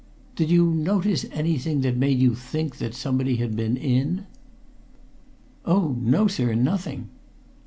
"Did you notice anything that made you think somebody had been in?" "Oh, no, sir, nothing!"